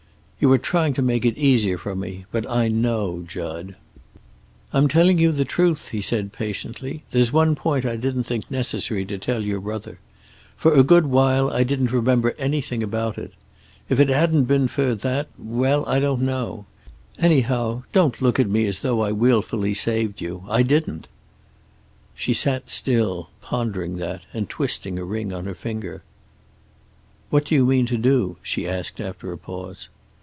"You are trying to make it easier for me. But I know, Jud." "I'm telling you the truth," he said, patiently. "There's one point I didn't think necessary to tell your brother. For a good while I didn't remember anything about it. If it hadn't been for that well, I don't know. Anyhow, don't look at me as though I willfully saved you. I didn't." She sat still, pondering that, and twisting a ring on her finger. "What do you mean to do?" she asked, after a pause.